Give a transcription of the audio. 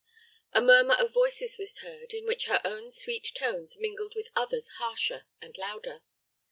A murmur of voices was heard, in which her own sweet tones mingled with others harsher and louder.